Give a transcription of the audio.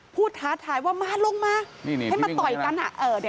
ท้าทายว่ามาลงมาให้มาต่อยกัน